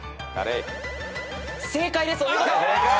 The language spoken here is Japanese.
正解です。